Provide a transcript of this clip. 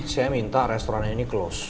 saya minta restoran ini close